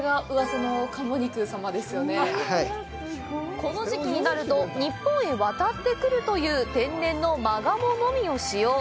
この時期になると日本へ渡ってくるという天然の真鴨のみを使用。